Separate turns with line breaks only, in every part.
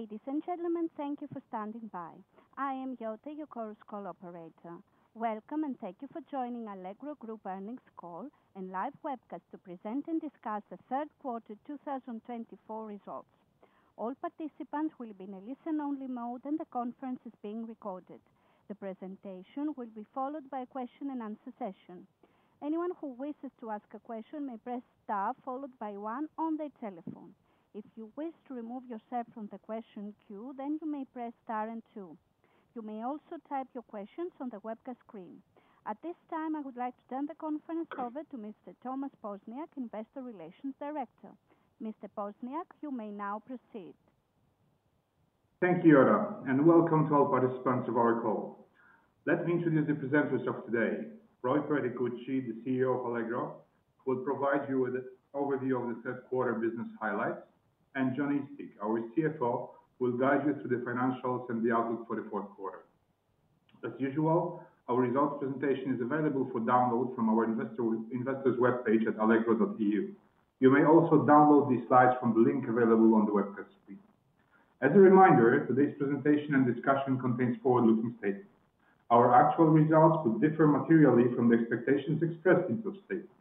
Ladies and gentlemen, thank you for standing by. I am Yotei, your Chorus Call operator. Welcome and thank you for joining Allegro Group earnings call and live webcast to present and discuss the third quarter 2024 results. All participants will be in a listen-only mode, and the conference is being recorded. The presentation will be followed by a question-and-answer session. Anyone who wishes to ask a question may press star followed by one on their telephone. If you wish to remove yourself from the question queue, then you may press star and two. You may also type your questions on the webcast screen. At this time, I would like to turn the conference over to Mr. Tomasz Pozniak, Investor Relations Director. Mr. Pozniak, you may now proceed.
Thank you, Yotei, and welcome to all participants of our call. Let me introduce the presenters of today: Roy Perticucci, the CEO of Allegro, who will provide you with an overview of the third quarter business highlights, and Jon Eastick, our CFO, who will guide you through the financials and the outlook for the fourth quarter. As usual, our results presentation is available for download from our investors' webpage at allegro.eu. You may also download these slides from the link available on the webcast screen. As a reminder, today's presentation and discussion contains forward-looking statements. Our actual results could differ materially from the expectations expressed in those statements.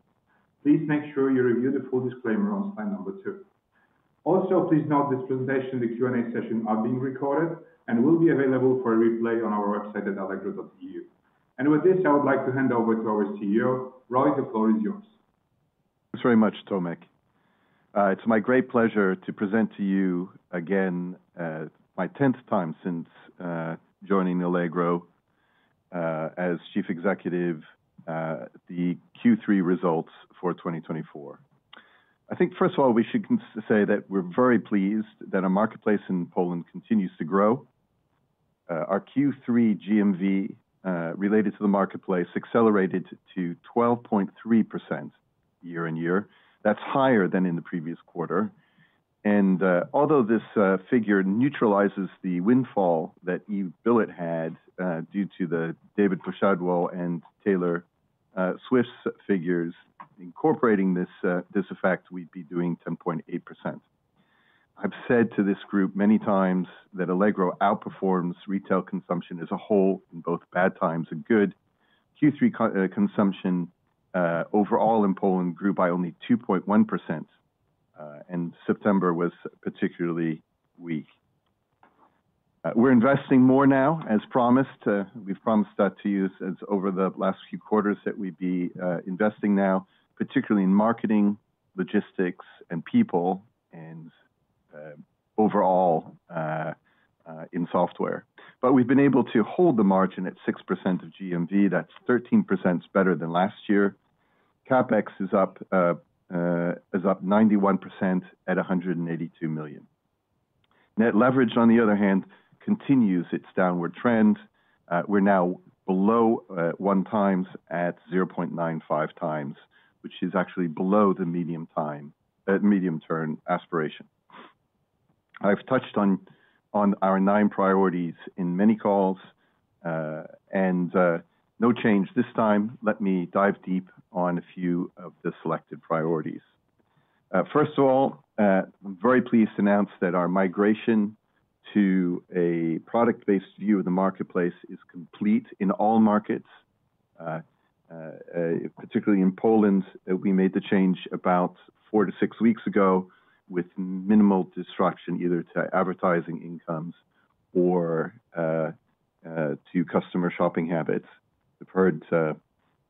Please make sure you review the full disclaimer on slide number two. Also, please note this presentation and the Q&A session are being recorded and will be available for a replay on our website at allegro.eu. With this, I would like to hand over to our CEO. Roy, the floor is yours.
Thanks very much, Tomasz. It's my great pleasure to present to you again my tenth time since joining Allegro as Chief Executive, the Q3 results for 2024. I think, first of all, we should say that we're very pleased that our marketplace in Poland continues to grow. Our Q3 GMV related to the marketplace accelerated to 12.3% year on year. That's higher than in the previous quarter, and although this figure neutralizes the windfall that eBilet had due to the Dawid Podsiadło and Taylor Swift's figures, incorporating this effect, we'd be doing 10.8%. I've said to this group many times that Allegro outperforms retail consumption as a whole in both bad times and good. Q3 consumption overall in Poland grew by only 2.1%, and September was particularly weak. We're investing more now, as promised. We've promised that to you over the last few quarters that we'd be investing now, particularly in marketing, logistics, and people, and overall in software. But we've been able to hold the margin at 6% of GMV. That's 13% better than last year. CapEx is up 91% at 182 million. Net leverage, on the other hand, continues its downward trend. We're now below 1x at 0.95x, which is actually below the medium-term aspiration. I've touched on our nine priorities in many calls, and no change this time. Let me dive deep on a few of the selected priorities. First of all, I'm very pleased to announce that our migration to a product-based view of the marketplace is complete in all markets, particularly in Poland. We made the change about four to six weeks ago with minimal disruption either to advertising incomes or to customer shopping habits. We've heard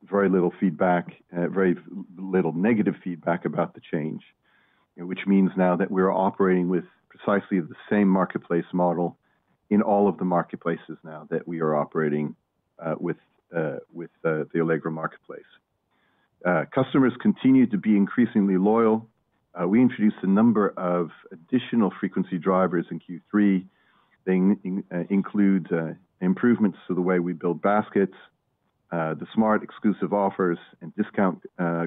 very little feedback, very little negative feedback about the change, which means now that we're operating with precisely the same marketplace model in all of the marketplaces now that we are operating with the Allegro marketplace. Customers continue to be increasingly loyal. We introduced a number of additional frequency drivers in Q3. They include improvements to the way we build baskets, the Smart exclusive offers, and discount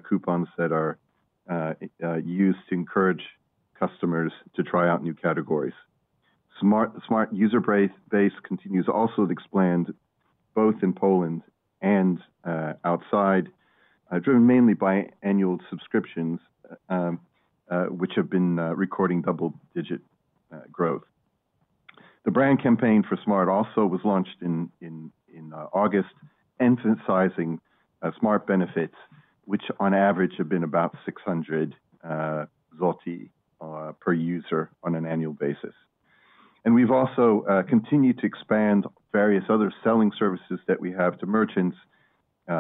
coupons that are used to encourage customers to try out new categories. Smart user base continues also to expand both in Poland and outside, driven mainly by annual subscriptions, which have been recording double-digit growth. The brand campaign for Smart also was launched in August, emphasizing Smart benefits, which on average have been about 600 zloty per user on an annual basis. And we've also continued to expand various other selling services that we have to merchants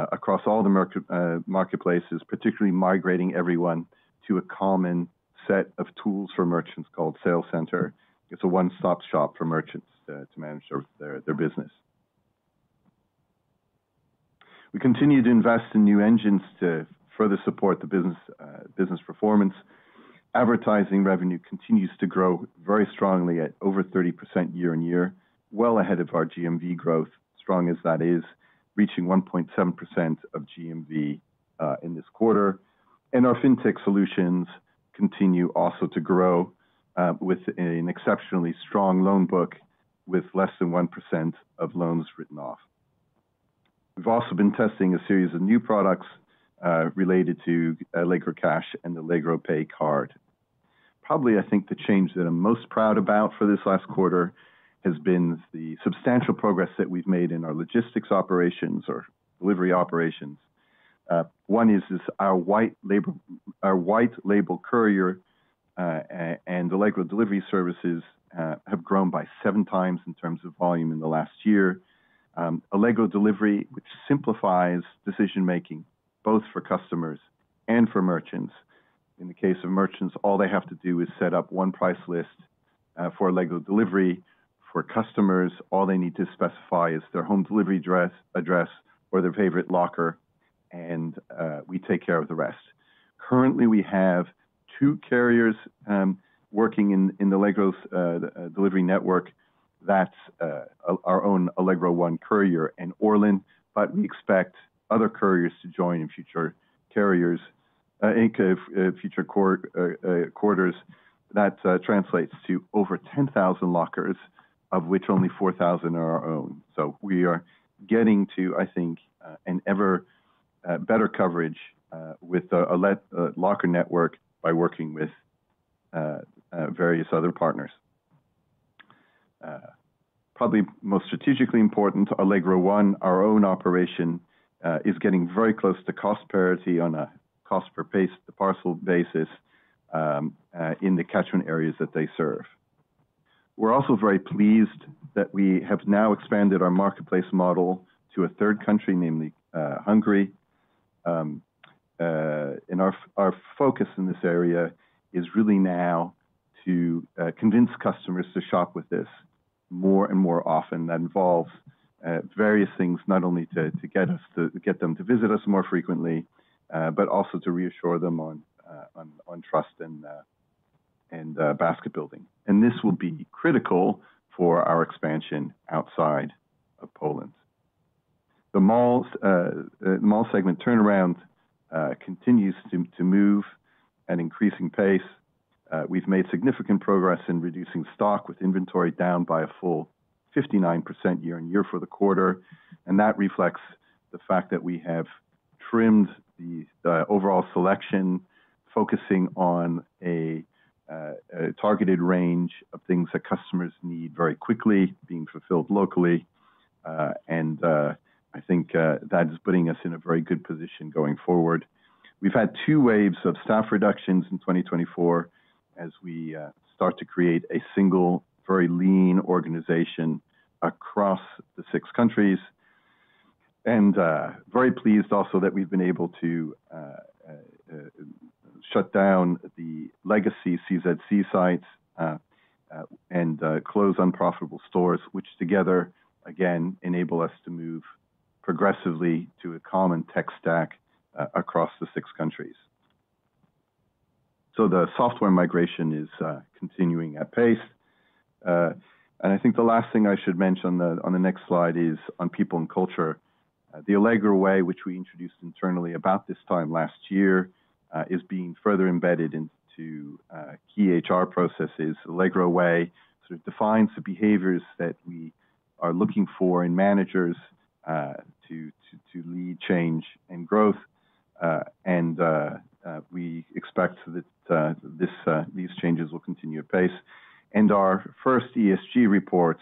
across all the marketplaces, particularly migrating everyone to a common set of tools for merchants called Sales Center. It's a one-stop shop for merchants to manage their business. We continue to invest in new engines to further support the business performance. Advertising revenue continues to grow very strongly at over 30% year on year, well ahead of our GMV growth, strong as that is, reaching 1.7% of GMV in this quarter. And our fintech solutions continue also to grow with an exceptionally strong loan book with less than 1% of loans written off. We've also been testing a series of new products related to Allegro Cash and the Allegro Pay card. Probably, I think the change that I'm most proud about for this last quarter has been the substantial progress that we've made in our logistics operations or delivery operations. One is our white label courier and Allegro Delivery services have grown by 7x in terms of volume in the last year. Allegro Delivery, which simplifies decision-making both for customers and for merchants. In the case of merchants, all they have to do is set up one price list for Allegro Delivery. For customers, all they need to specify is their home delivery address or their favorite locker, and we take care of the rest. Currently, we have two carriers working in the Allegro Delivery network. That's our own Allegro One Courier and ORLEN, but we expect other couriers to join in future carriers, future quarters. That translates to over 10,000 lockers, of which only 4,000 are our own. We are getting to, I think, an ever better coverage with a locker network by working with various other partners. Probably most strategically important, Allegro One, our own operation, is getting very close to cost parity on a cost-per-piece, the parcel basis, in the catchment areas that they serve. We're also very pleased that we have now expanded our marketplace model to a third country, namely Hungary. Our focus in this area is really now to convince customers to shop with us more and more often. That involves various things, not only to get them to visit us more frequently, but also to reassure them on trust and basket building. This will be critical for our expansion outside of Poland. The Mall segment turnaround continues to move at an increasing pace. We've made significant progress in reducing stock, with inventory down by a full 59% year on year for the quarter. And that reflects the fact that we have trimmed the overall selection, focusing on a targeted range of things that customers need very quickly, being fulfilled locally. And I think that is putting us in a very good position going forward. We've had two waves of staff reductions in 2024 as we start to create a single, very lean organization across the six countries. And very pleased also that we've been able to shut down the legacy CZC sites and close unprofitable stores, which together, again, enable us to move progressively to a common tech stack across the six countries. So the software migration is continuing at pace. And I think the last thing I should mention on the next slide is on people and culture. The Allegro Way, which we introduced internally about this time last year, is being further embedded into key HR processes. Allegro Way sort of defines the behaviors that we are looking for in managers to lead change and growth. And we expect that these changes will continue at pace. And our first ESG report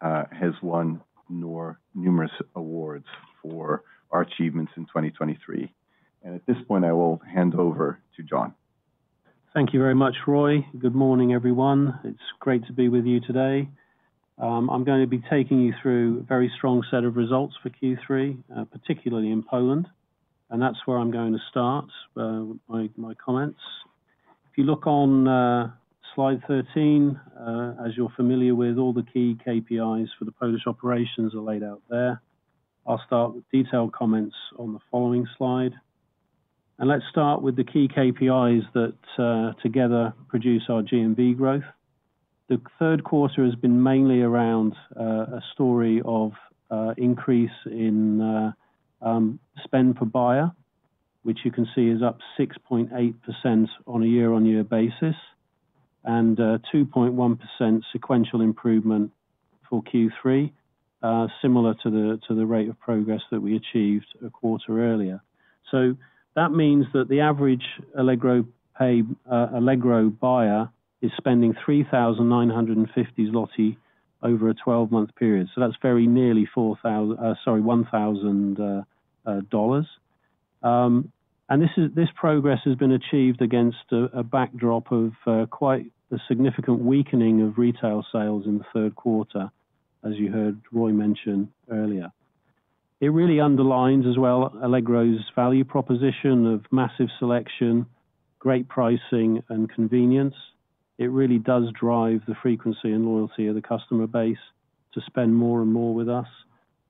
has won numerous awards for our achievements in 2023. And at this point, I will hand over to Jon.
Thank you very much, Roy. Good morning, everyone. It's great to be with you today. I'm going to be taking you through a very strong set of results for Q3, particularly in Poland, and that's where I'm going to start my comments. If you look on slide 13, as you're familiar with, all the key KPIs for the Polish operations are laid out there. I'll start with detailed comments on the following slide, and let's start with the key KPIs that together produce our GMV growth. The third quarter has been mainly around a story of increase in spend per buyer, which you can see is up 6.8% on a year-on-year basis, and 2.1% sequential improvement for Q3, similar to the rate of progress that we achieved a quarter earlier. So that means that the average Allegro buyer is spending 3,950 zloty over a 12-month period. So that's very nearly $1,000. And this progress has been achieved against a backdrop of quite a significant weakening of retail sales in the third quarter, as you heard Roy mention earlier. It really underlines as well Allegro's value proposition of massive selection, great pricing, and convenience. It really does drive the frequency and loyalty of the customer base to spend more and more with us.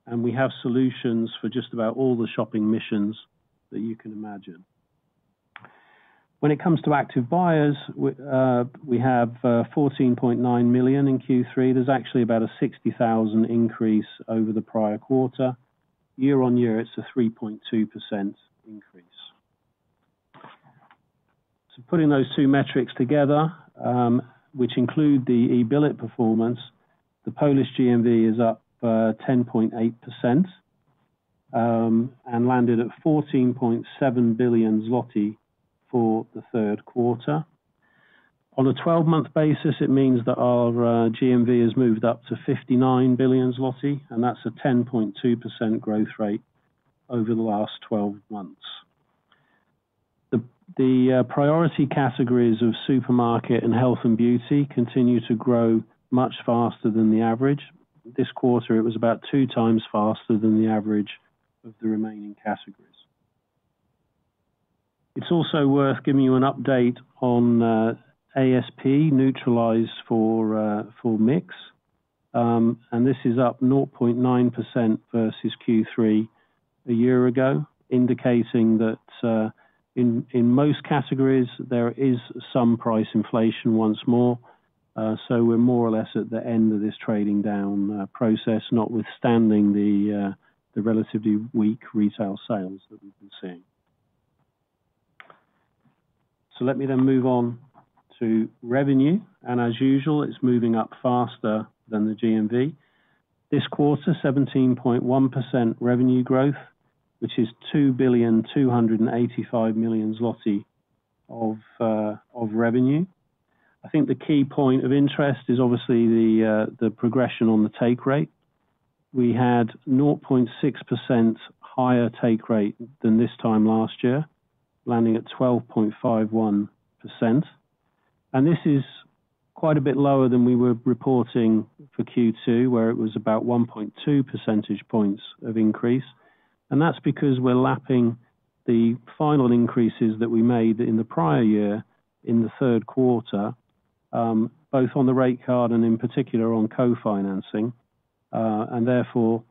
And we have solutions for just about all the shopping missions that you can imagine. When it comes to active buyers, we have 14.9 million in Q3. There's actually about a 60,000 increase over the prior quarter. Year on year, it's a 3.2% increase. So putting those two metrics together, which include the eBilet performance, the Polish GMV is up 10.8% and landed at 14.7 billion zloty for the third quarter. On a 12-month basis, it means that our GMV has moved up to 59 billion zloty, and that's a 10.2% growth rate over the last 12 months. The priority categories of supermarket and health and beauty continue to grow much faster than the average. This quarter, it was about 2x faster than the average of the remaining categories. It's also worth giving you an update on ASP, neutralized for mix. And this is up 0.9% versus Q3 a year ago, indicating that in most categories, there is some price inflation once more. So we're more or less at the end of this trading down process, notwithstanding the relatively weak retail sales that we've been seeing. So let me then move on to revenue. And as usual, it's moving up faster than the GMV. This quarter, 17.1% revenue growth, which is 2,285 million zloty of revenue. I think the key point of interest is obviously the progression on the take rate. We had 0.6% higher take rate than this time last year, landing at 12.51%. And this is quite a bit lower than we were reporting for Q2, where it was about 1.2 percentage points of increase. And that's because we're lapping the final increases that we made in the prior year in the third quarter, both on the rate card and in particular on co-financing. And therefore,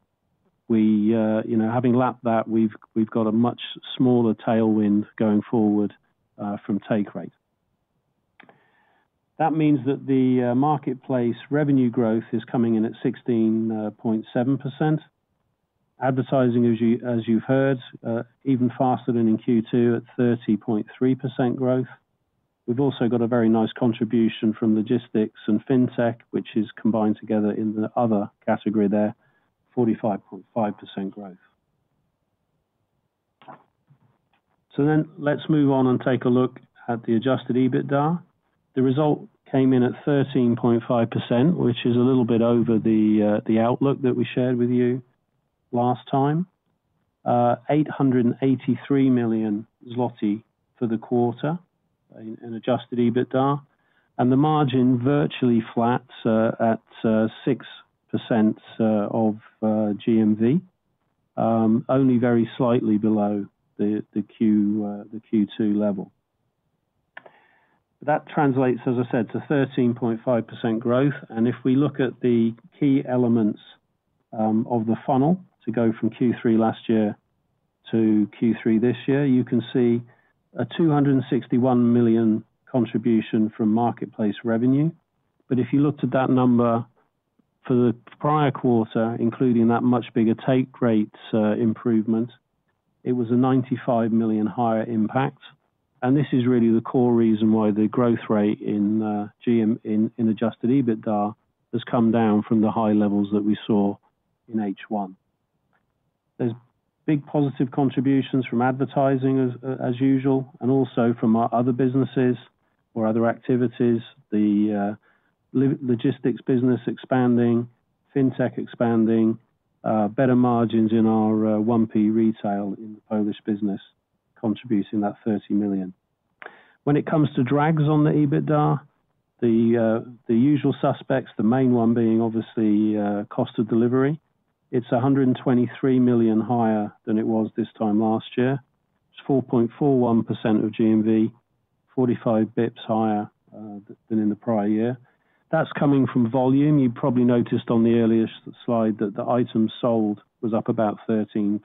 having lapped that, we've got a much smaller tailwind going forward from take rate. That means that the marketplace revenue growth is coming in at 16.7%. Advertising, as you've heard, even faster than in Q2 at 30.3% growth. We've also got a very nice contribution from logistics and fintech, which is combined together in the other category there, 45.5% growth. So then let's move on and take a look at the adjusted EBITDA. The result came in at 13.5%, which is a little bit over the outlook that we shared with you last time, 883 million zloty for the quarter in adjusted EBITDA. And the margin virtually flats at 6% of GMV, only very slightly below the Q2 level. That translates, as I said, to 13.5% growth. And if we look at the key elements of the funnel to go from Q3 last year to Q3 this year, you can see a 261 million contribution from marketplace revenue. But if you looked at that number for the prior quarter, including that much bigger take rate improvement, it was a 95 million higher impact. And this is really the core reason why the growth rate in adjusted EBITDA has come down from the high levels that we saw in H1. There's big positive contributions from advertising, as usual, and also from other businesses or other activities. The logistics business expanding, fintech expanding, better margins in our 1P retail in the Polish business contributing that 30 million. When it comes to drags on the EBITDA, the usual suspects, the main one being obviously cost of delivery, it's 123 million higher than it was this time last year. It's 4.41% of GMV, 45 bps higher than in the prior year. That's coming from volume. You probably noticed on the earliest slide that the item sold was up about 13%.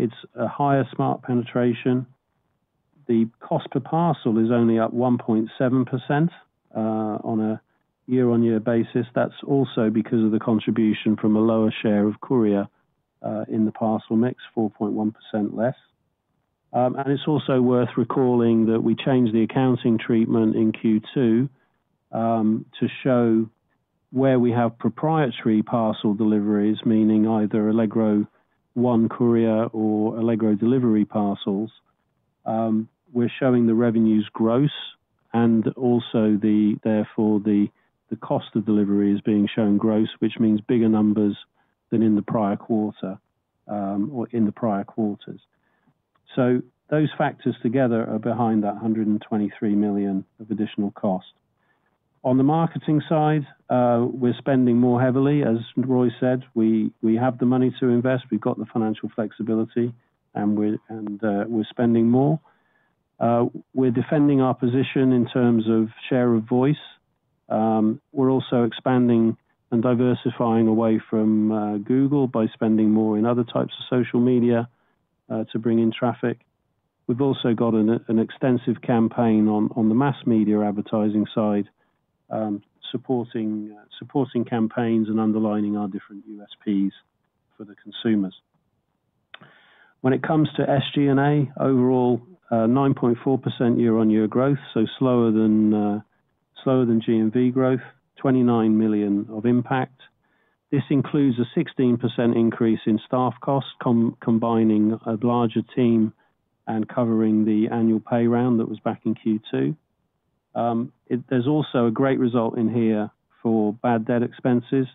It's a higher Smart penetration. The cost per parcel is only up 1.7% on a year-on-year basis. That's also because of the contribution from a lower share of courier in the parcel mix, 4.1% less. It's also worth recalling that we changed the accounting treatment in Q2 to show where we have proprietary parcel deliveries, meaning either Allegro One Courier or Allegro Delivery parcels. We're showing the revenues gross, and also therefore the cost of delivery is being shown gross, which means bigger numbers than in the prior quarter or in the prior quarters. Those factors together are behind that 123 million of additional cost. On the marketing side, we're spending more heavily. As Roy said, we have the money to invest. We've got the financial flexibility, and we're spending more. We're defending our position in terms of share of voice. We're also expanding and diversifying away from Google by spending more in other types of social media to bring in traffic. We've also got an extensive campaign on the mass media advertising side, supporting campaigns and underlining our different USPs for the consumers. When it comes to SG&A, overall, 9.4% year-on-year growth, so slower than GMV growth, 29 million of impact. This includes a 16% increase in staff costs, combining a larger team and covering the annual pay round that was back in Q2. There's also a great result in here for bad debt expenses.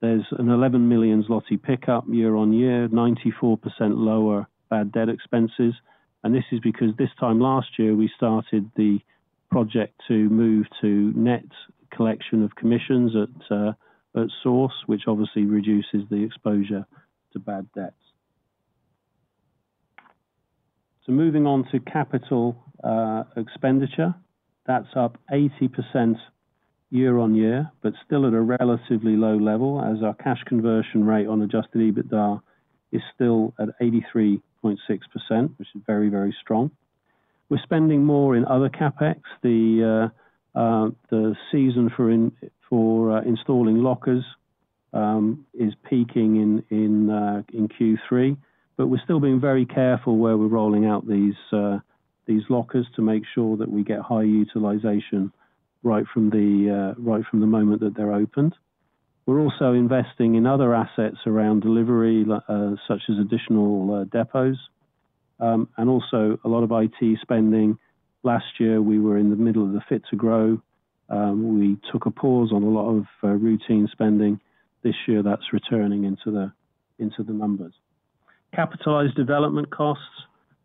There's an 11 million zloty pickup year-on-year, 94% lower bad debt expenses. And this is because this time last year, we started the project to move to net collection of commissions at source, which obviously reduces the exposure to bad debt. So moving on to capital expenditure, that's up 80% year-on-year, but still at a relatively low level as our cash conversion rate on adjusted EBITDA is still at 83.6%, which is very, very strong. We're spending more in other CapEx. The season for installing lockers is peaking in Q3, but we're still being very careful where we're rolling out these lockers to make sure that we get high utilization right from the moment that they're opened. We're also investing in other assets around delivery, such as additional depots, and also a lot of IT spending. Last year, we were in the middle of the Fit to Grow. We took a pause on a lot of routine spending. This year, that's returning into the numbers. Capitalized development costs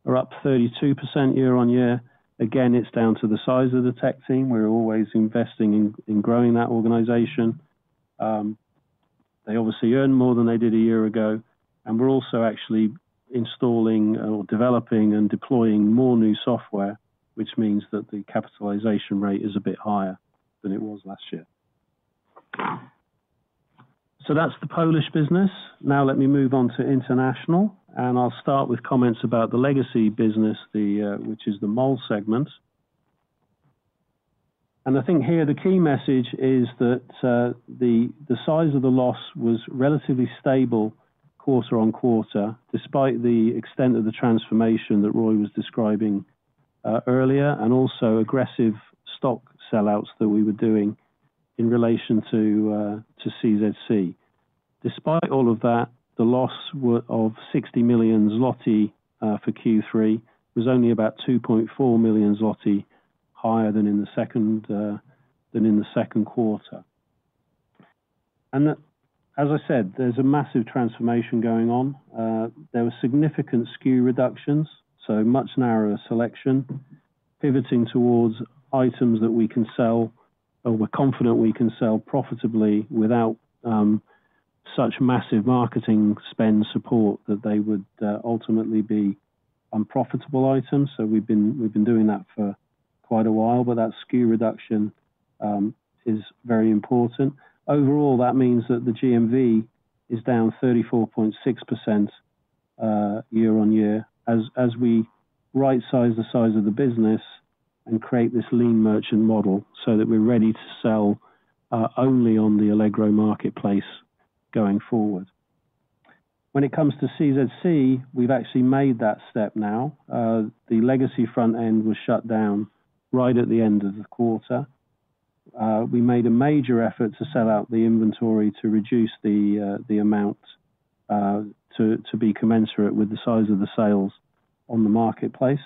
are up 32% year-on-year. Again, it's down to the size of the tech team. We're always investing in growing that organization. They obviously earn more than they did a year ago. And we're also actually installing or developing and deploying more new software, which means that the capitalization rate is a bit higher than it was last year. So that's the Polish business. Now let me move on to international. And I'll start with comments about the legacy business, which is the Mall segment. And I think here the key message is that the size of the loss was relatively stable quarter on quarter, despite the extent of the transformation that Roy was describing earlier and also aggressive stock sellouts that we were doing in relation to CZC. Despite all of that, the loss of 60 million zloty for Q3 was only about 2.4 million zloty higher than in the second quarter. And as I said, there's a massive transformation going on. There were significant SKU reductions, so much narrower selection, pivoting toward items that we can sell or we're confident we can sell profitably without such massive marketing spend support that they would ultimately be unprofitable items. So we've been doing that for quite a while, but that SKU reduction is very important. Overall, that means that the GMV is down 34.6% year-on-year as we right-size the size of the business and create this lean merchant model so that we're ready to sell only on the Allegro marketplace going forward. When it comes to CZC, we've actually made that step now. The legacy front end was shut down right at the end of the quarter. We made a major effort to sell out the inventory to reduce the amount to be commensurate with the size of the sales on the marketplace.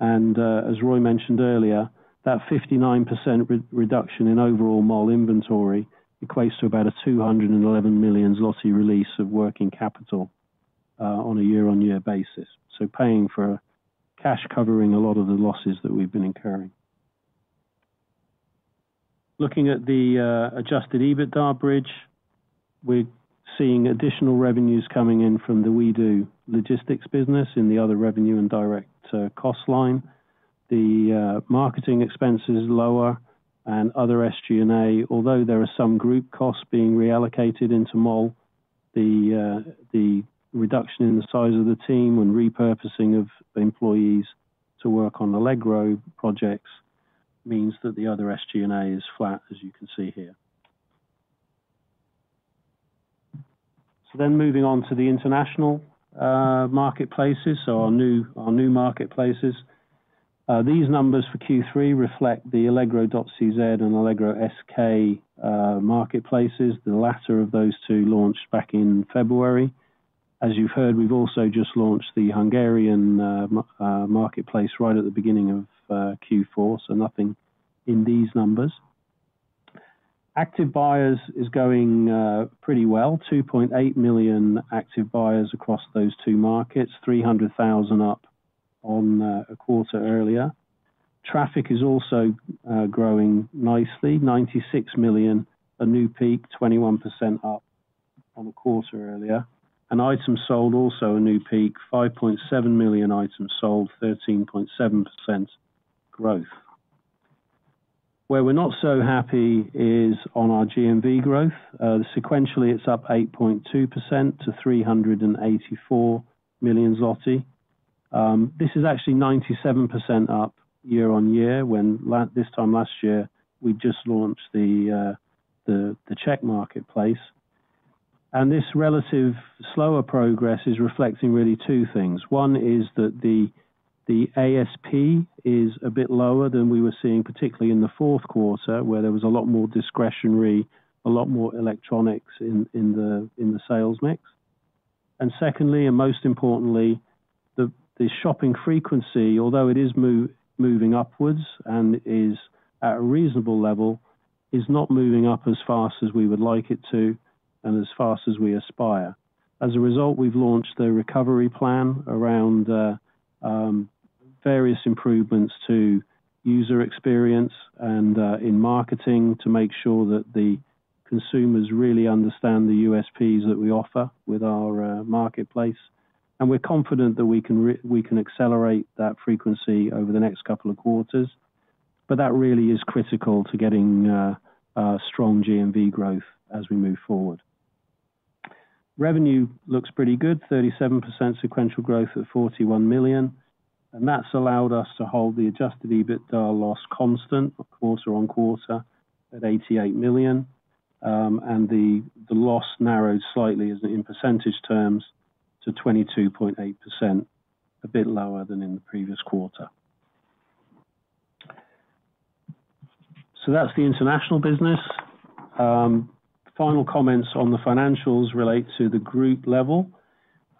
As Roy mentioned earlier, that 59% reduction in overall Mall inventory equates to about a 211 million zloty release of working capital on a year-on-year basis. So paying for cash covering a lot of the losses that we've been incurring. Looking at the adjusted EBITDA bridge, we're seeing additional revenues coming in from the WeDo logistics business in the other revenue and direct cost line. The marketing expenses lower and other SG&A, although there are some group costs being reallocated into Mall, the reduction in the size of the team and repurposing of employees to work on Allegro projects means that the other SG&A is flat, as you can see here. Then moving on to the international marketplaces, so our new marketplaces. These numbers for Q3 reflect the allegro.cz and allegro.sk marketplaces. The latter of those two launched back in February. As you've heard, we've also just launched the Hungarian marketplace right at the beginning of Q4, so nothing in these numbers. Active buyers is going pretty well. 2.8 million active buyers across those two markets, 300,000 up on a quarter earlier. Traffic is also growing nicely. 96 million, a new peak, 21% up on a quarter earlier, and items sold also a new peak, 5.7 million items sold, 13.7% growth. Where we're not so happy is on our GMV growth. Sequentially, it's up 8.2% to 384 million zloty. This is actually 97% up year-on-year when this time last year we just launched the Czech marketplace, and this relative slower progress is reflecting really two things. One is that the ASP is a bit lower than we were seeing, particularly in the fourth quarter, where there was a lot more discretionary, a lot more electronics in the sales mix. And secondly, and most importantly, the shopping frequency, although it is moving upwards and is at a reasonable level, is not moving up as fast as we would like it to and as fast as we aspire. As a result, we've launched the recovery plan around various improvements to user experience and in marketing to make sure that the consumers really understand the USPs that we offer with our marketplace. And we're confident that we can accelerate that frequency over the next couple of quarters. But that really is critical to getting strong GMV growth as we move forward. Revenue looks pretty good, 37% sequential growth at 41 million. And that's allowed us to hold the adjusted EBITDA loss constant quarter on quarter at 88 million. And the loss narrowed slightly in percentage terms to 22.8%, a bit lower than in the previous quarter. So that's the international business. Final comments on the financials relate to the group level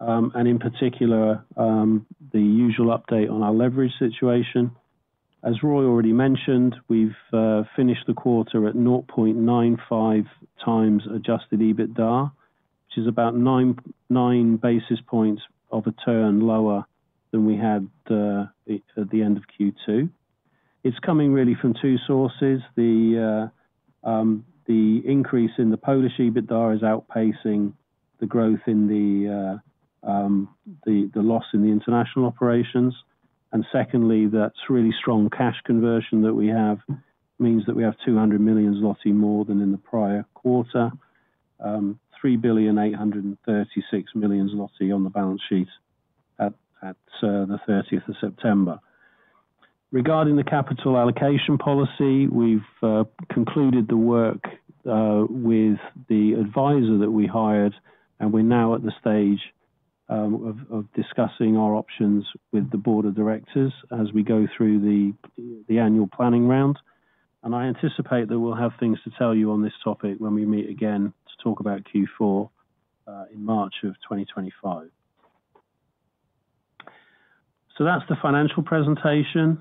and in particular, the usual update on our leverage situation. As Roy already mentioned, we've finished the quarter at 0.95x adjusted EBITDA, which is about 9 basis points of a turn lower than we had at the end of Q2. It's coming really from two sources. The increase in the Polish EBITDA is outpacing the growth in the loss in the international operations, and secondly, that really strong cash conversion that we have means that we have 200 million zloty more than in the prior quarter, 3,836 million zloty on the balance sheet at the 30th of September. Regarding the capital allocation policy, we've concluded the work with the advisor that we hired, and we're now at the stage of discussing our options with the board of directors as we go through the annual planning round. I anticipate that we'll have things to tell you on this topic when we meet again to talk about Q4 in March of 2025. That's the financial presentation.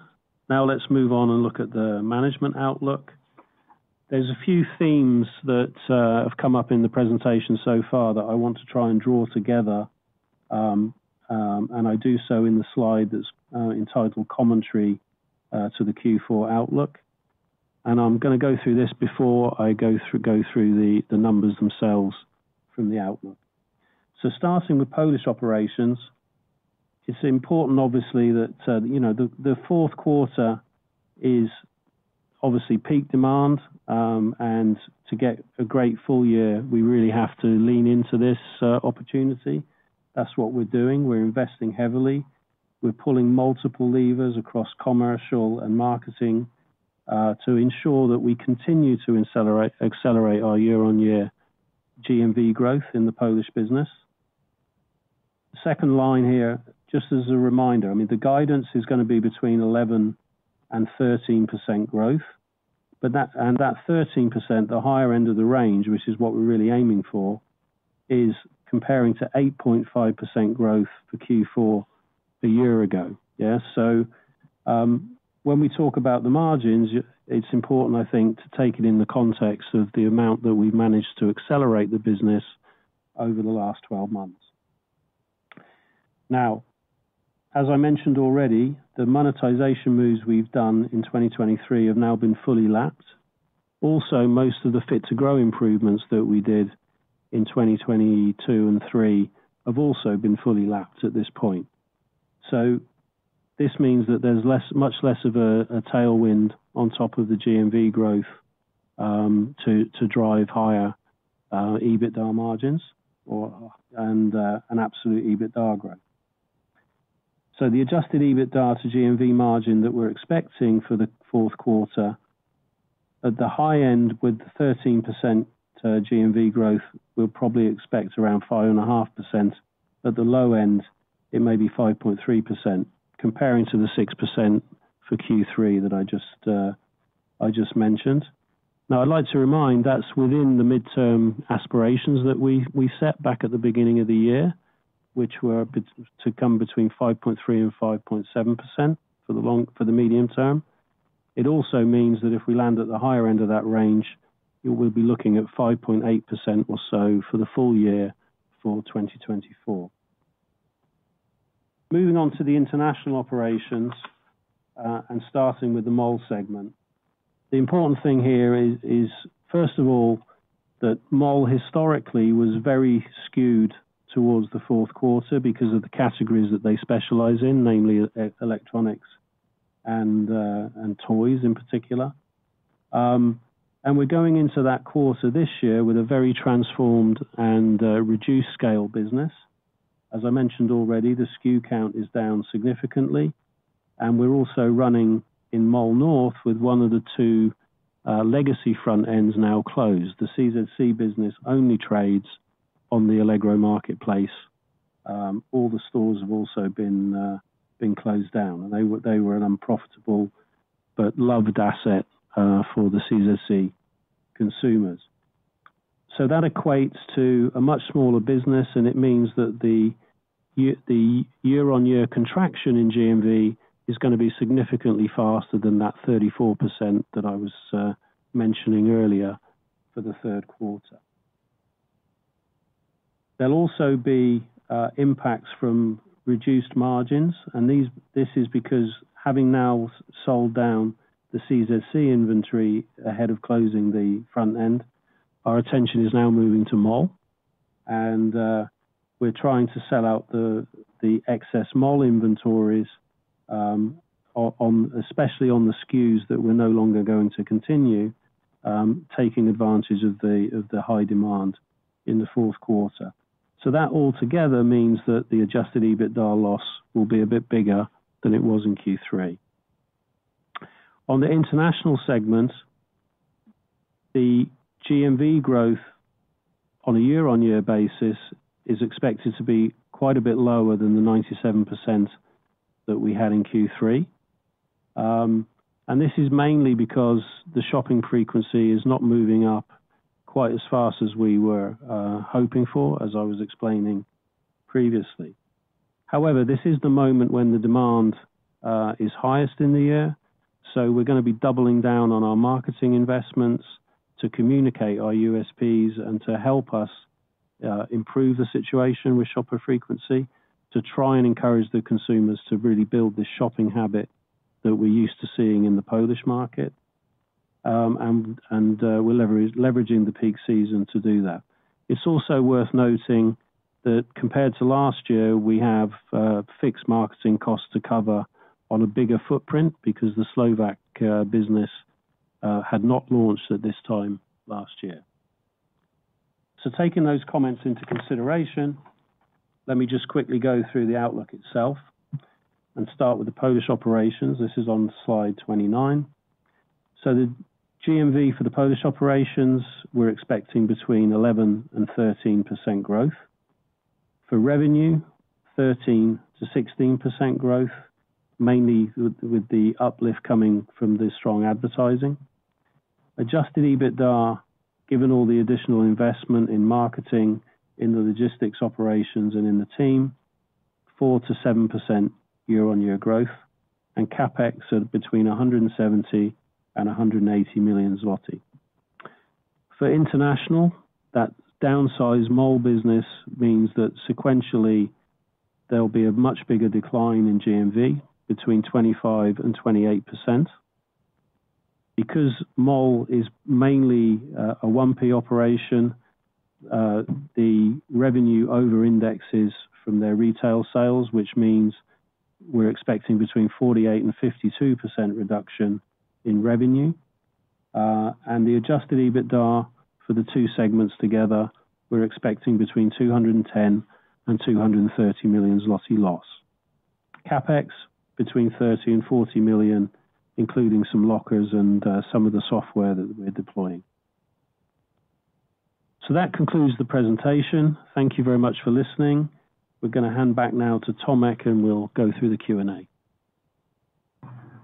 Now let's move on and look at the management outlook. There's a few themes that have come up in the presentation so far that I want to try and draw together, and I do so in the slide that's entitled Commentary to the Q4 Outlook. I'm going to go through this before I go through the numbers themselves from the outlook. Starting with Polish operations, it's important, obviously, that the fourth quarter is obviously peak demand. To get a great full year, we really have to lean into this opportunity. That's what we're doing. We're investing heavily. We're pulling multiple levers across commercial and marketing to ensure that we continue to accelerate our year-on-year GMV growth in the Polish business. The second line here, just as a reminder, I mean, the guidance is going to be between 11% and 13% growth. And that 13%, the higher end of the range, which is what we're really aiming for, is comparing to 8.5% growth for Q4 a year ago. Yeah? So when we talk about the margins, it's important, I think, to take it in the context of the amount that we've managed to accelerate the business over the last 12 months. Now, as I mentioned already, the monetization moves we've done in 2023 have now been fully lapped. Also, most of the Fit to Grow improvements that we did in 2022 and 2023 have also been fully lapped at this point. So this means that there's much less of a tailwind on top of the GMV growth to drive higher EBITDA margins and an absolute EBITDA growth. So the adjusted EBITDA to GMV margin that we're expecting for the fourth quarter, at the high end with the 13% GMV growth, we'll probably expect around 5.5%. At the low end, it may be 5.3%, comparing to the 6% for Q3 that I just mentioned. Now, I'd like to remind that's within the midterm aspirations that we set back at the beginning of the year, which were to come between 5.3% and 5.7% for the medium term. It also means that if we land at the higher end of that range, we'll be looking at 5.8% or so for the full year for 2024. Moving on to the international operations and starting with the Mall segment. The important thing here is, first of all, that Mall historically was very skewed towards the fourth quarter because of the categories that they specialize in, namely electronics and toys in particular. And we're going into that quarter this year with a very transformed and reduced scale business. As I mentioned already, the SKU count is down significantly. And we're also running in Mall North with one of the two legacy front ends now closed. The CZC business only trades on the Allegro marketplace. All the stores have also been closed down. They were an unprofitable but loved asset for the CZC consumers. So that equates to a much smaller business, and it means that the year-on-year contraction in GMV is going to be significantly faster than that 34% that I was mentioning earlier for the third quarter. There'll also be impacts from reduced margins. This is because having now sold down the CZC inventory ahead of closing the front end, our attention is now moving to Mall. We're trying to sell out the excess Mall inventories, especially on the SKUs that we're no longer going to continue, taking advantage of the high demand in the fourth quarter. That altogether means that the adjusted EBITDA loss will be a bit bigger than it was in Q3. On the international segment, the GMV growth on a year-on-year basis is expected to be quite a bit lower than the 97% that we had in Q3. This is mainly because the shopping frequency is not moving up quite as fast as we were hoping for, as I was explaining previously. However, this is the moment when the demand is highest in the year. So we're going to be doubling down on our marketing investments to communicate our USPs and to help us improve the situation with shopper frequency to try and encourage the consumers to really build the shopping habit that we're used to seeing in the Polish market. And we're leveraging the peak season to do that. It's also worth noting that compared to last year, we have fixed marketing costs to cover on a bigger footprint because the Slovak business had not launched at this time last year. So taking those comments into consideration, let me just quickly go through the outlook itself and start with the Polish operations. This is on slide 29. So the GMV for the Polish operations, we're expecting between 11% and 13% growth. For revenue, 13%-16% growth, mainly with the uplift coming from the strong advertising. Adjusted EBITDA, given all the additional investment in marketing, in the logistics operations, and in the team, 4%-7% year-on-year growth. And CapEx are between 170 million and 180 million zloty. For international, that downsized Mall business means that sequentially there'll be a much bigger decline in GMV between 25% and 28%. Because Mall is mainly a 1P operation, the revenue over-indexes from their retail sales, which means we're expecting between 48% and 52% reduction in revenue. And the adjusted EBITDA for the two segments together, we're expecting between 210 million and 230 million zloty loss. CapEx between 30 million and 40 million, including some lockers and some of the software that we're deploying. So that concludes the presentation. Thank you very much for listening. We're going to hand back now to Tomasz, and we'll go through the Q&A.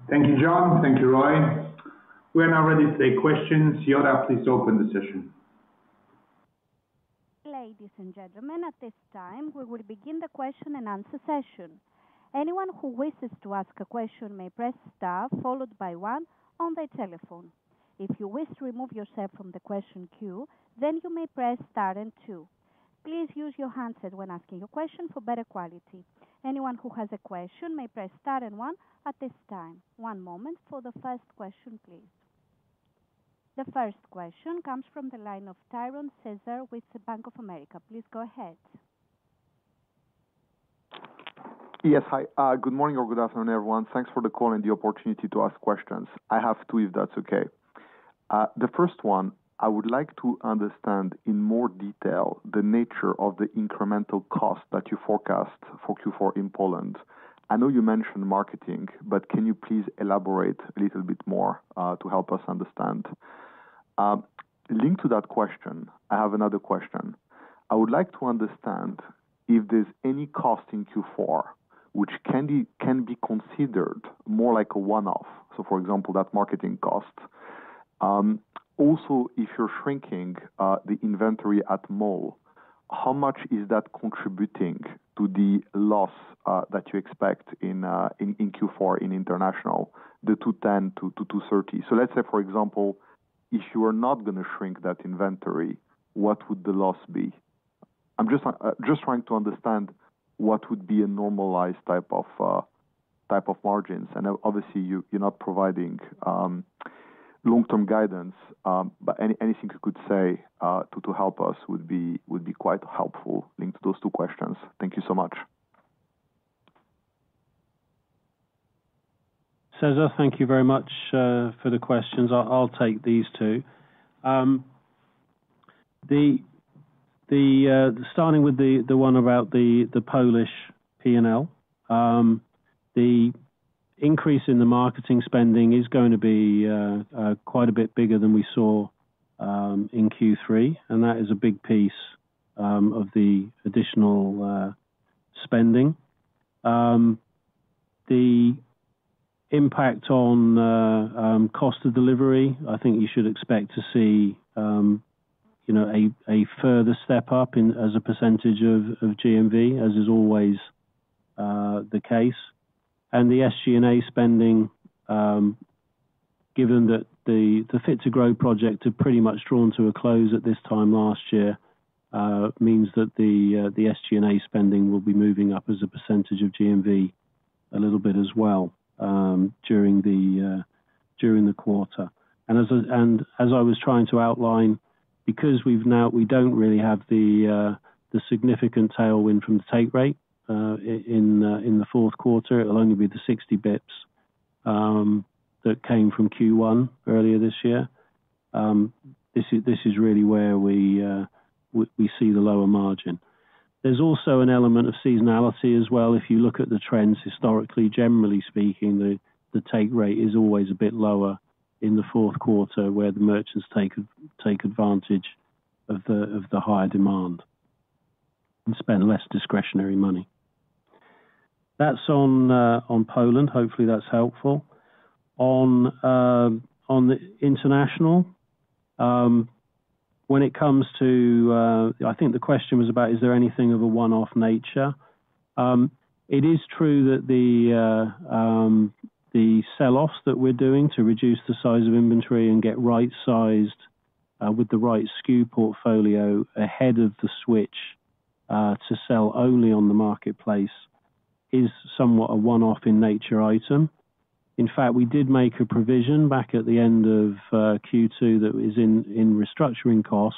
Thank you, Jon. Thank you, Roy. We are now ready to take questions. Yotei, please open the session.
Ladies and gentlemen, at this time, we will begin the question and answer session. Anyone who wishes to ask a question may press star followed by one on their telephone. If you wish to remove yourself from the question queue, then you may press star and two. Please use your handset when asking your question for better quality. Anyone who has a question may press star and one at this time. One moment for the first question, please. The first question comes from the line of Tiron Cesar with Bank of America. Please go ahead.
Yes, hi. Good morning or good afternoon, everyone. Thanks for the call and the opportunity to ask questions. I have two if that's okay. The first one, I would like to understand in more detail the nature of the incremental cost that you forecast for Q4 in Poland. I know you mentioned marketing, but can you please elaborate a little bit more to help us understand? Linked to that question, I have another question. I would like to understand if there's any cost in Q4 which can be considered more like a one-off, so for example, that marketing cost. Also, if you're shrinking the inventory at Mall, how much is that contributing to the loss that you expect in Q4 in international, the 210 million-230 million? So let's say, for example, if you are not going to shrink that inventory, what would the loss be? I'm just trying to understand what would be a normalized type of margins, and obviously, you're not providing long-term guidance, but anything you could say to help us would be quite helpful, linked to those two questions. Thank you so much.
Cesar, thank you very much for the questions. I'll take these two. Starting with the one about the Polish P&L, the increase in the marketing spending is going to be quite a bit bigger than we saw in Q3, and that is a big piece of the additional spending. The impact on cost of delivery, I think you should expect to see a further step up as a percentage of GMV, as is always the case, and the SG&A spending, given that the Fit to Grow project had pretty much drawn to a close at this time last year, means that the SG&A spending will be moving up as a percentage of GMV a little bit as well during the quarter. As I was trying to outline, because we don't really have the significant tailwind from the take rate in the fourth quarter, it'll only be the 60 bps that came from Q1 earlier this year. This is really where we see the lower margin. There's also an element of seasonality as well. If you look at the trends historically, generally speaking, the take rate is always a bit lower in the fourth quarter where the merchants take advantage of the higher demand and spend less discretionary money. That's on Poland. Hopefully, that's helpful. On the international, when it comes to, I think the question was about, is there anything of a one-off nature? It is true that the sell-offs that we're doing to reduce the size of inventory and get right-sized with the right SKU portfolio ahead of the switch to sell only on the marketplace is somewhat a one-off in nature item. In fact, we did make a provision back at the end of Q2 that was in restructuring cost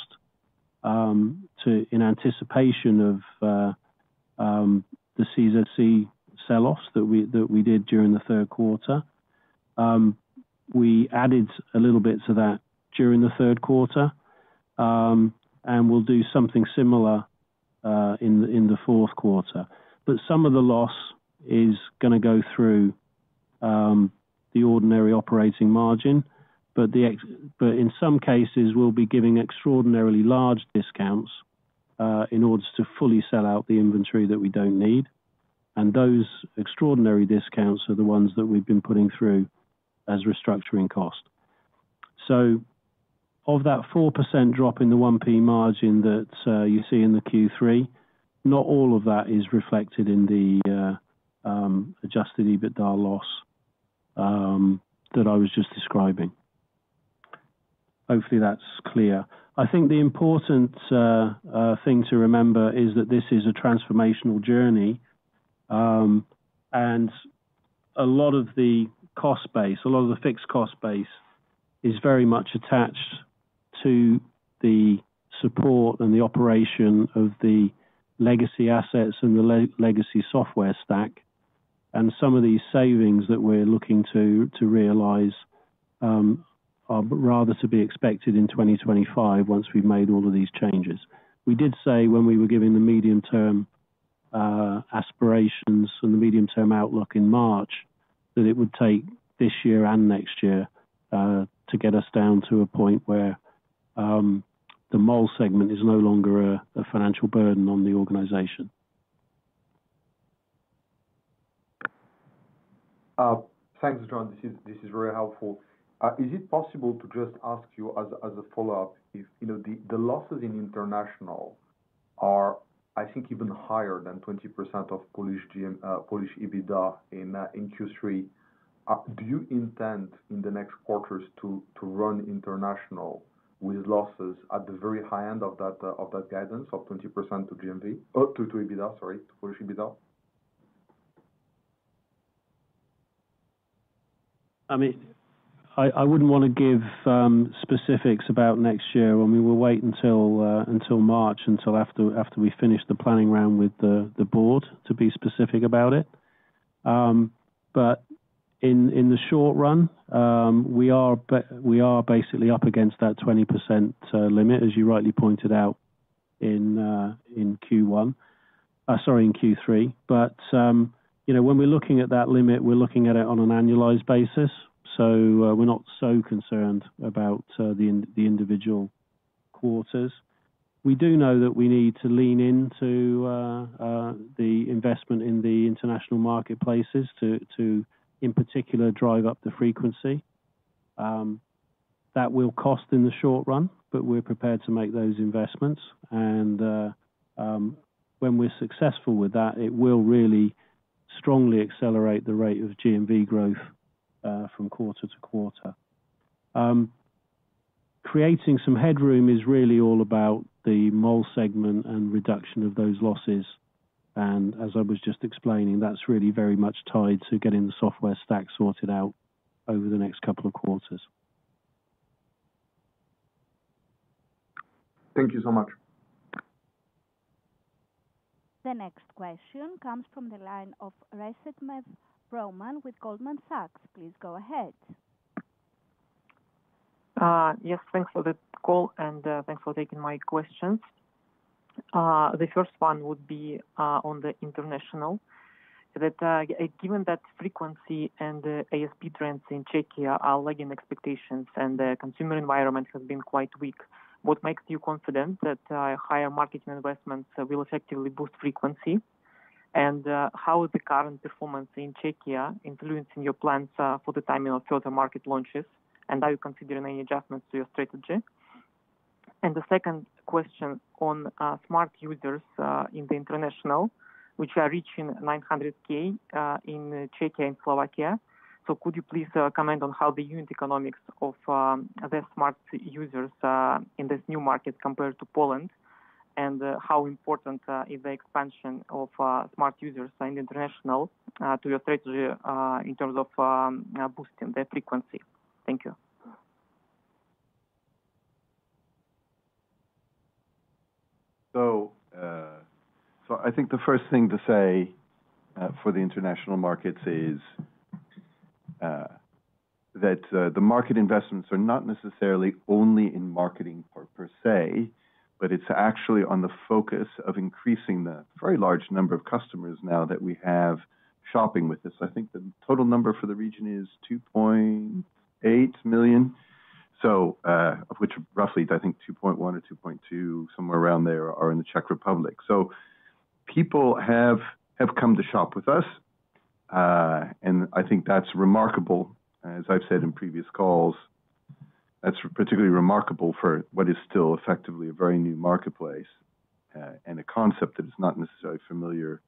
in anticipation of the CZC sell-offs that we did during the third quarter. We added a little bit to that during the third quarter, and we'll do something similar in the fourth quarter. But some of the loss is going to go through the ordinary operating margin. But in some cases, we'll be giving extraordinarily large discounts in order to fully sell out the inventory that we don't need. And those extraordinary discounts are the ones that we've been putting through as restructuring cost. So of that 4% drop in the 1P margin that you see in the Q3, not all of that is reflected in the adjusted EBITDA loss that I was just describing. Hopefully, that's clear. I think the important thing to remember is that this is a transformational journey. And a lot of the cost base, a lot of the fixed cost base is very much attached to the support and the operation of the legacy assets and the legacy software stack. And some of these savings that we're looking to realize are rather to be expected in 2025 once we've made all of these changes. We did say when we were giving the medium-term aspirations and the medium-term outlook in March that it would take this year and next year to get us down to a point where the Mall segment is no longer a financial burden on the organization.
Thanks, Jon. This is very helpful. Is it possible to just ask you as a follow-up if the losses in international are, I think, even higher than 20% of Polish EBITDA in Q3? Do you intend in the next quarters to run international with losses at the very high end of that guidance of 20% to GMV to EBITDA, sorry, to Polish EBITDA?
I mean, I wouldn't want to give specifics about next year. I mean, we'll wait until March, until after we finish the planning round with the board to be specific about it. But in the short run, we are basically up against that 20% limit, as you rightly pointed out in Q1, sorry, in Q3. But when we're looking at that limit, we're looking at it on an annualized basis. So we're not so concerned about the individual quarters. We do know that we need to lean into the investment in the international marketplaces to, in particular, drive up the frequency. That will cost in the short run, but we're prepared to make those investments. And when we're successful with that, it will really strongly accelerate the rate of GMV growth from quarter to quarter. Creating some headroom is really all about the Mall segment and reduction of those losses. As I was just explaining, that's really very much tied to getting the software stack sorted out over the next couple of quarters.
Thank you so much.
The next question comes from the line of Reshetnev Roman with Goldman Sachs. Please go ahead.
Yes, thanks for the call, and thanks for taking my questions. The first one would be on the international. Given that frequency and ASP trends in Czechia are lagging expectations and the consumer environment has been quite weak, what makes you confident that higher marketing investments will effectively boost frequency? And how is the current performance in Czechia influencing your plans for the timing of further market launches? And are you considering any adjustments to your strategy? And the second question on Smart users in the international, which are reaching 900,000 in Czechia and Slovakia. So could you please comment on how the unit economics of the Smart users in this new market compare to Poland? And how important is the expansion of Smart users in the international to your strategy in terms of boosting their frequency? Thank you.
So I think the first thing to say for the international markets is that the market investments are not necessarily only in marketing per se, but it's actually on the focus of increasing the very large number of customers now that we have shopping with us. I think the total number for the region is 2.8 million, of which roughly, I think, 2.1 or 2.2, somewhere around there, are in the Czech Republic. So people have come to shop with us. And I think that's remarkable. As I've said in previous calls, that's particularly remarkable for what is still effectively a very new marketplace and a concept that is not necessarily familiar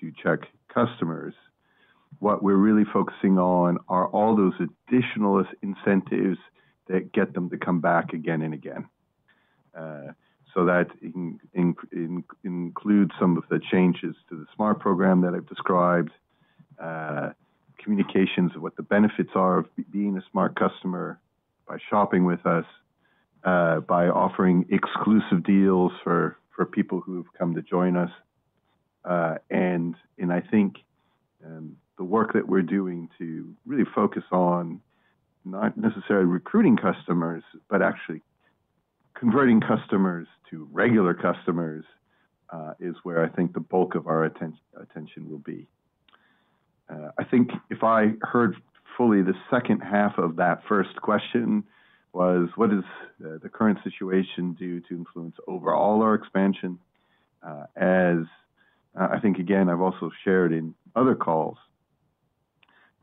to Czech customers. What we're really focusing on are all those additional incentives that get them to come back again and again. So that includes some of the changes to the Smart program that I've described, communications of what the benefits are of being a Smart customer by shopping with us, by offering exclusive deals for people who have come to join us. And I think the work that we're doing to really focus on not necessarily recruiting customers, but actually converting customers to regular customers is where I think the bulk of our attention will be. I think if I heard fully the second half of that first question was, what does the current situation do to influence overall our expansion? As I think, again, I've also shared in other calls,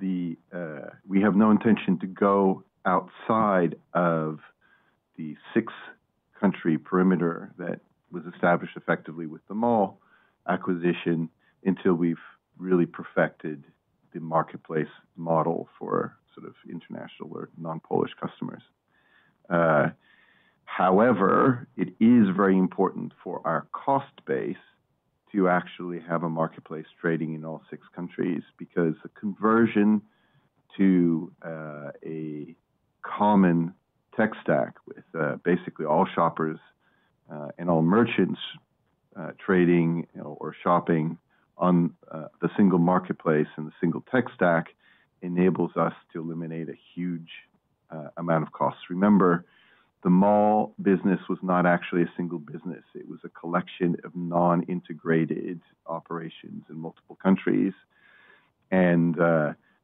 we have no intention to go outside of the six-country perimeter that was established effectively with the Mall acquisition until we've really perfected the marketplace model for sort of international or non-Polish customers. However, it is very important for our cost base to actually have a marketplace trading in all six countries because the conversion to a common tech stack with basically all shoppers and all merchants trading or shopping on the single marketplace and the single tech stack enables us to eliminate a huge amount of costs. Remember, the Mall business was not actually a single business. It was a collection of non-integrated operations in multiple countries. And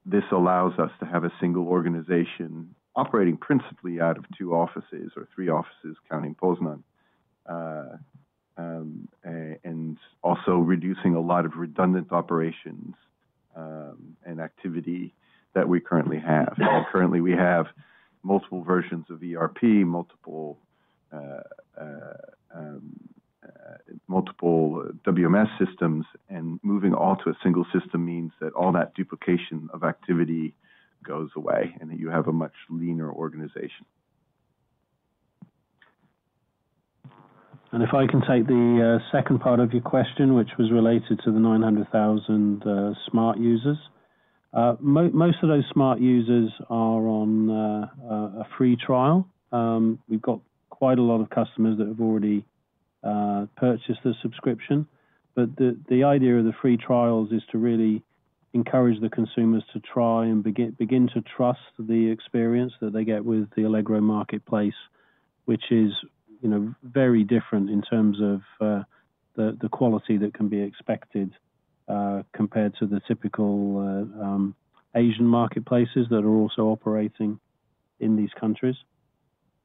this allows us to have a single organization operating principally out of two offices or three offices counting Poznań and also reducing a lot of redundant operations and activity that we currently have. Currently, we have multiple versions of ERP, multiple WMS systems, and moving all to a single system means that all that duplication of activity goes away and that you have a much leaner organization.
And if I can take the second part of your question, which was related to the 900,000 Smart users. Most of those Smart users are on a free trial. We've got quite a lot of customers that have already purchased the subscription. But the idea of the free trials is to really encourage the consumers to try and begin to trust the experience that they get with the Allegro marketplace, which is very different in terms of the quality that can be expected compared to the typical Asian marketplaces that are also operating in these countries.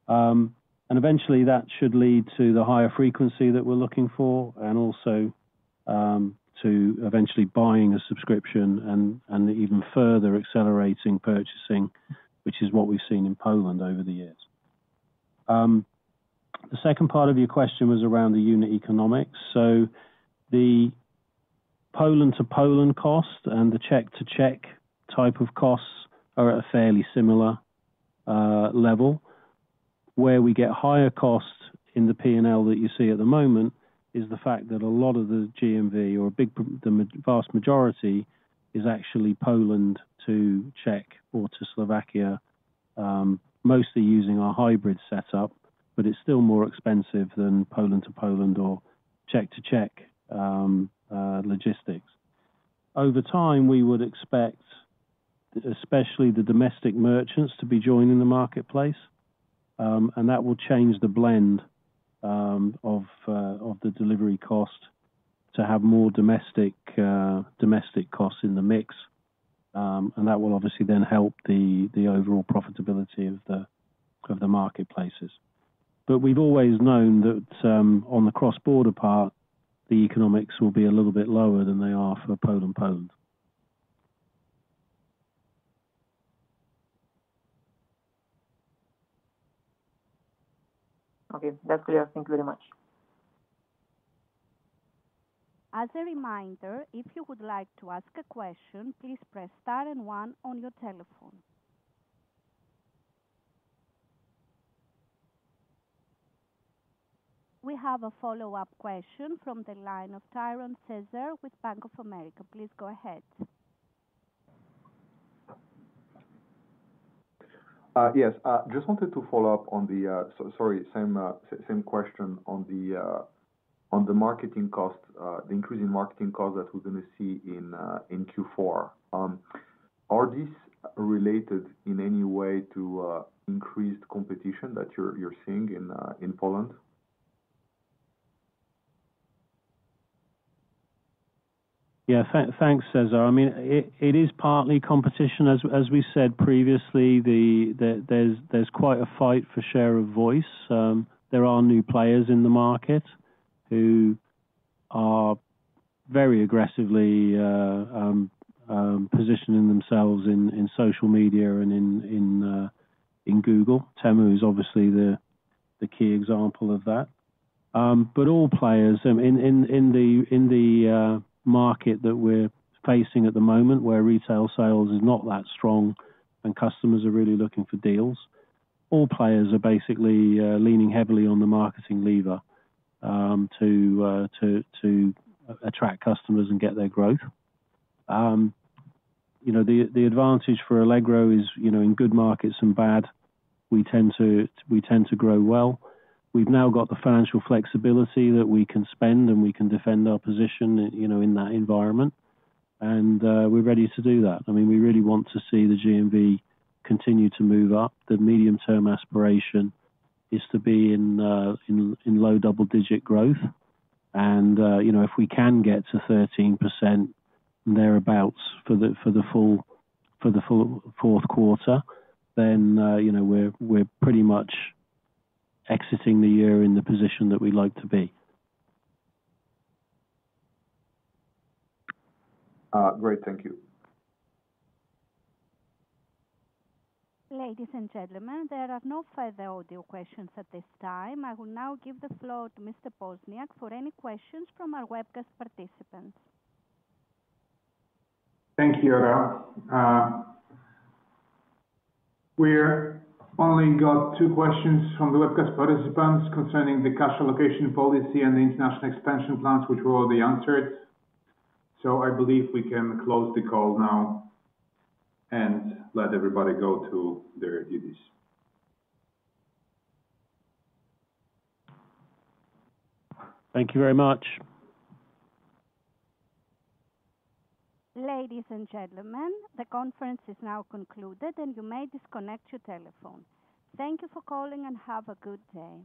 And eventually, that should lead to the higher frequency that we're looking for and also to eventually buying a subscription and even further accelerating purchasing, which is what we've seen in Poland over the years. The second part of your question was around the unit economics. The Poland-to-Poland cost and the Czech-to-Czech type of costs are at a fairly similar level. Where we get higher costs in the P&L that you see at the moment is the fact that a lot of the GMV, or the vast majority, is actually Poland-to-Czech or to Slovakia, mostly using our hybrid setup, but it's still more expensive than Poland-to-Poland or Czech-to-Czech logistics. Over time, we would expect especially the domestic merchants to be joining the marketplace. That will change the blend of the delivery cost to have more domestic costs in the mix. That will obviously then help the overall profitability of the marketplaces. We've always known that on the cross-border part, the economics will be a little bit lower than they are for Poland-to-Poland.
Okay. That's clear. Thank you very much.
As a reminder, if you would like to ask a question, please press star and one on your telephone. We have a follow-up question from the line of Tiron Cesar with Bank of America. Please go ahead.
Yes. I just wanted to follow up on the same question on the marketing cost, the increasing marketing cost that we're going to see in Q4. Are these related in any way to increased competition that you're seeing in Poland?
Yeah. Thanks, Cesar. I mean, it is partly competition. As we said previously, there's quite a fight for share of voice. There are new players in the market who are very aggressively positioning themselves in social media and in Google. Temu is obviously the key example of that. But all players in the market that we're facing at the moment, where retail sales is not that strong and customers are really looking for deals, all players are basically leaning heavily on the marketing lever to attract customers and get their growth. The advantage for Allegro is in good markets and bad, we tend to grow well. We've now got the financial flexibility that we can spend and we can defend our position in that environment, and we're ready to do that. I mean, we really want to see the GMV continue to move up. The medium-term aspiration is to be in low double-digit growth, and if we can get to 13% thereabouts for the full fourth quarter, then we're pretty much exiting the year in the position that we'd like to be.
Great. Thank you.
Ladies and gentlemen, there are no further audio questions at this time. I will now give the floor to Mr. Pozniak for any questions from our webcast participants.
Thank you. We only got two questions from the webcast participants concerning the cash allocation policy and the international expansion plans, which were already answered. So I believe we can close the call now and let everybody go to their duties. Thank you very much.
Ladies and gentlemen, the conference is now concluded, and you may disconnect your telephone. Thank you for calling, and have a good day.